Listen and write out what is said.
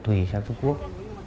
thùy sang trung quốc